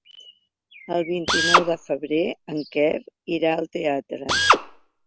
El vint-i-nou de febrer en Quer irà al teatre.